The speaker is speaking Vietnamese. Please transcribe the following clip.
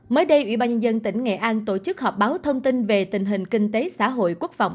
mới đây ubnd tỉnh nghệ an tổ chức họp báo thông tin về tình hình kinh tế xã hội quốc phòng